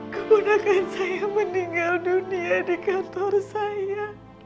kemunakan saya meninggal dunia di kantor saya